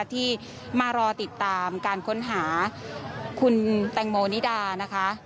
ที่มารอติดตามการค้นหาคุณแตงโมนิดานะคะ